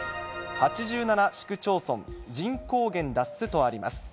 ８７市区町村、人口減脱すとあります。